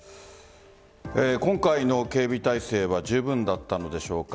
今回の警備態勢は十分だったのでしょうか。